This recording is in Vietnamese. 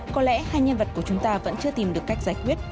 có lẽ hai nhân vật của chúng ta vẫn chưa tìm được cách giải quyết